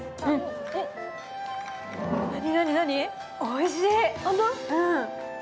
おいしい！